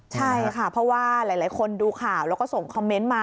ใช่ค่ะเพราะว่าหลายคนดูข่าวแล้วก็ส่งคอมเมนต์มา